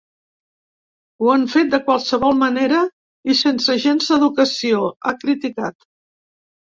Ho han fet de qualsevol manera i sense gens d’educació, ha criticat.